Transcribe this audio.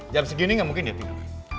jam segini gak mungkin dia tidur